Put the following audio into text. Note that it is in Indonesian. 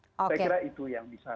saya kira itu yang bisa